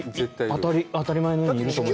いや、当たり前のようにいると思います。